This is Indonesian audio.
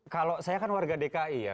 kalau saya kan warga dki ya